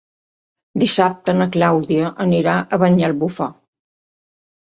Dissabte na Clàudia anirà a Banyalbufar.